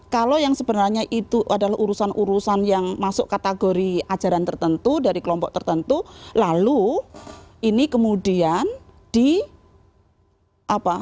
kalau yang sebenarnya itu adalah urusan urusan yang masuk kategori ajaran tertentu dari kelompok tertentu lalu ini kemudian di apa